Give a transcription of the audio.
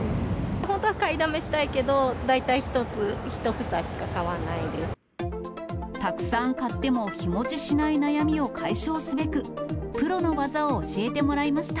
本当は買いだめしたいけど、たくさん買っても、日持ちしない悩みを解消すべく、プロの技を教えてもらいました。